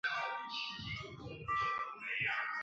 欢迎大家一起来练功